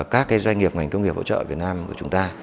các doanh nghiệp ngành công nghiệp hỗ trợ việt nam của chúng ta